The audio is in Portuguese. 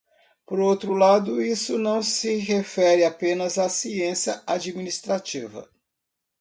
Por outro lado, isso não se refere apenas à ciência administrativa.